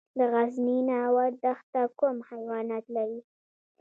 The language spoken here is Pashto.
د غزني ناور دښته کوم حیوانات لري؟